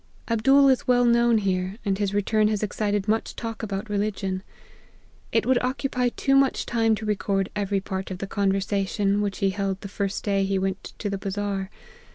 " Abdool is well known here, and his return has excited much talk about religion. It would occupy too much time to record every part of the conver sation which he held the first day he went to the Bazar.